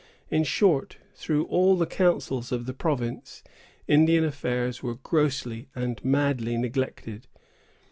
In short, through all the counsels of the province Indian affairs were grossly and madly neglected.